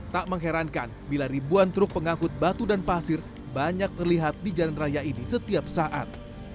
tak mengherankan bila ribuan truk pengangkut batu dan pasir banyak terlihat di jalan raya ini setiap saat